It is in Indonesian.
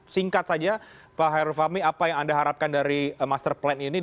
singkat saja pak hairul fahmi apa yang anda harapkan dari master plan ini